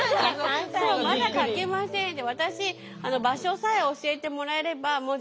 まだ書けませんって。